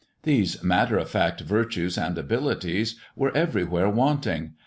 These matter of fact virtues and abilities were everywhere wanting.